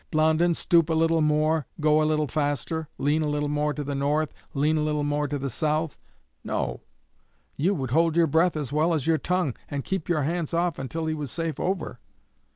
Blondin, stoop a little more go a little faster lean a little more to the north lean a little more to the south'? No! you would hold your breath as well as your tongue, and keep your hands off until he was safe over.